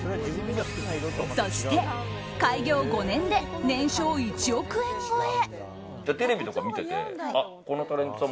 そして開業５年で年商１億円超え。